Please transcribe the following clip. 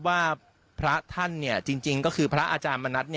ว่าพระท่านจริงก็คือพระอาจารย์มณัฐ